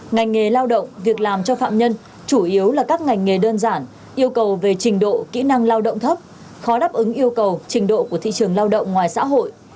ngành nghề lao động việc làm cho phạm nhân chủ yếu là các ngành nghề đơn giản yêu cầu về trình độ kỹ năng lao động thấp khó đáp ứng yêu cầu trình độ của thị trường lao động ngoài xã hội